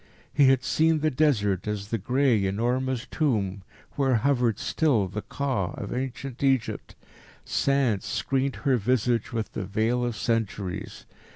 He had seen the Desert as the grey, enormous Tomb where hovered still the Ka of ancient Egypt. Sand screened her visage with the veil of centuries.